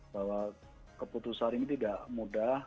bahwa keputusan ini tidak mudah